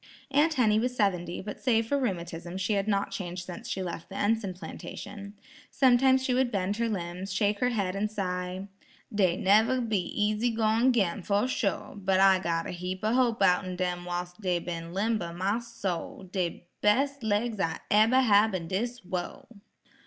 Aunt Henny was seventy, but save for rheumatism she had not changed since she left the Enson plantation. Sometimes she would bend her limbs, shake her head and sigh, "Dey neber be easy goin' 'gin, fuh sho', but I got a heap o' hope outen dem whilst dey ben limber, my soul; de bes' laigs I'll eber hab in dis wurl."